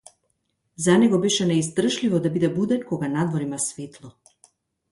За него беше неиздржливо да биде буден кога надвор има светло.